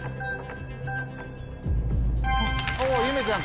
ゆめちゃん